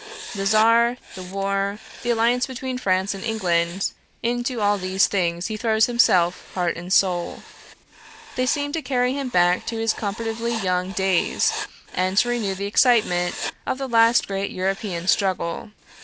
The Czar, the war, the alliance between France and England into all these things he throws himself heart and soul; they seem to carry him back to his comparatively young days, and to renew the excitement of the last great European struggle.